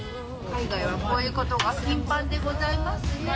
海外はこういうことが頻繁でございますね。